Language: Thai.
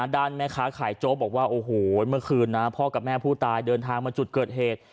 ด้านแม่ค้าขายโจ๊กบอกว่าโอ้โหเมื่อคืนนะพ่อกับแม่ผู้ตายเดินทางมาจุดเกิดเหตุ